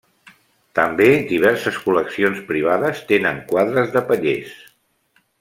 També diverses col·leccions privades tenen quadres de pallers.